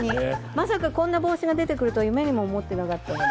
まさかこんな帽子が出てくると、夢にも思っていなかったので。